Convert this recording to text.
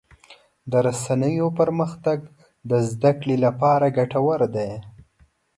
د رسنیو پرمختګ د زدهکړې لپاره ګټور دی.